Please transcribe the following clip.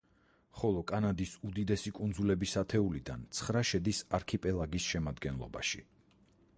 ხოლო კანადის უდიდესი კუნძულების ათეულიდან ცხრა შედის არქიპელაგის შემადგენლობაში.